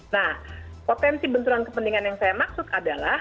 nah potensi benturan kepentingan yang saya maksud adalah